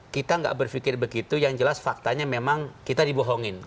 kita nggak berpikir begitu yang jelas faktanya memang kita dibohongin